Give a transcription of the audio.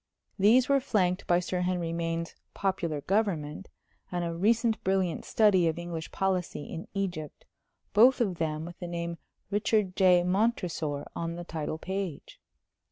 These were flanked by Sir Henry Maine's Popular Government, and a recent brilliant study of English policy in Egypt both of them with the name "Richard J. Montresor" on the title page.